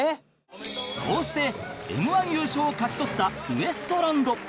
こうして Ｍ−１ 優勝を勝ち取ったウエストランド